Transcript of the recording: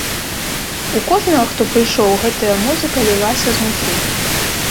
У кожнага, хто прыйшоў, гэтая музыка лілася знутры.